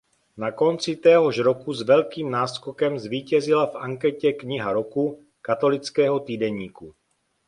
Na konci téhož roku s velkým náskokem zvítězila v anketě „Kniha roku“ Katolického týdeníku.